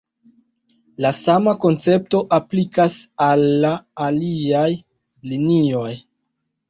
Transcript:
La sama koncepto aplikas al la aliaj linioj.